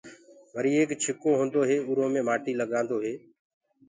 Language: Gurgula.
وري ايڪ ڇڪو هوندو هي اُرو مي مآٽي لگآندو هي۔